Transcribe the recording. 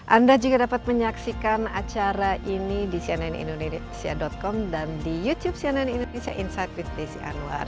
anda juga dapat menyaksikan acara ini di cnnindonesia com dan di youtube cnn indonesia insight with desi anwar